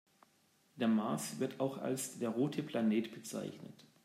Der Mars wird auch als der „rote Planet“ bezeichnet.